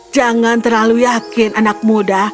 jangan terlalu yakin anak muda